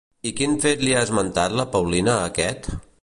I quin fet li ha esmentat la Paulina a aquest?